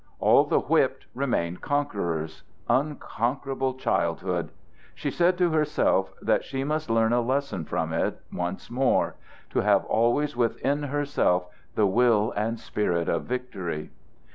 All the whipped remained conquerors. Unconquerable childhood! She said to herself that she must learn a lesson from it once more to have always within herself the will and spirit of victory.